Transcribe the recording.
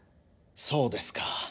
そうですか。